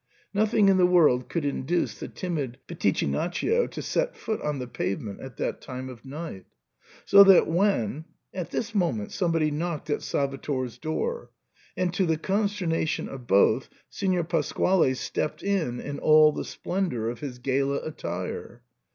Nothing in the world could induce the timid Pitichinaccio to set foot on the pavement at that time of night So that when " At this moment somebody knocked at Salvator's door, and to the consternation of both, Signor Pasquale stepped in in all the splendour of his gala attire.